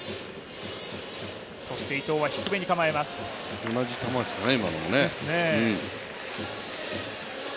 今のも同じ球ですかね。